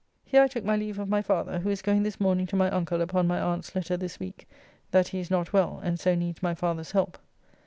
Here I took my leave of my father, who is going this morning to my uncle upon my aunt's letter this week that he is not well and so needs my father's help.